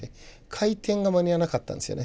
回転が間に合わなかったんですよね。